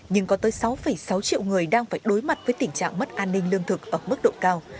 nhưng có tới sáu sáu triệu người đang phải đối mặt với tình trạng mất an ninh lương thực ở mức độ cao